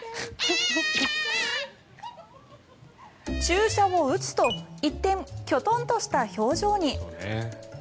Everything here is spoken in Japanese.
注射を打つと一転、キョトンとした表情に。